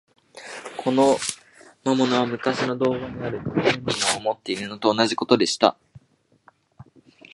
この魔物は、むかしの童話にある、かくれみのを持っているのと同じことでした。